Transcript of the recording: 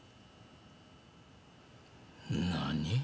何？